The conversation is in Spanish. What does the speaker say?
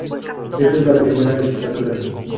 Esta es la Primera legislatura.